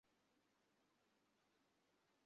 অনেক বেশি হয়ে যাচ্ছে।